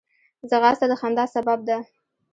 ځغاسته د خندا سبب ده